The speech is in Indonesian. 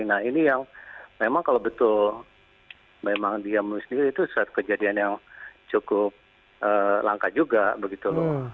nah ini yang memang kalau betul memang dia menulis itu suatu kejadian yang cukup langka juga begitu loh